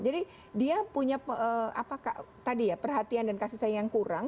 jadi dia punya perhatian dan kasih sayang yang kurang